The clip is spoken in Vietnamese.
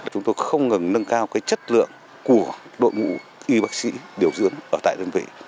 chúng tôi không ngừng nâng cao chất lượng của đội ngũ y bác sĩ điều dưỡng ở tại đơn vị